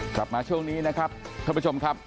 กลับมาช่วงนี้นะครับท่านผู้ชมครับ